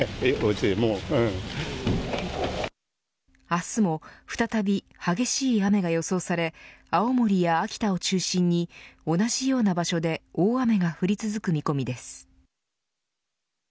明日も再び激しい雨が予想され青森や秋田を中心に同じような場所で大雨が降り続く見込みです。